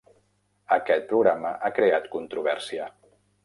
Aquest programa ha creat controvèrsia.